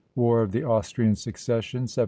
WAR OF THE AUSTRIAN SUCCESSION, 1740.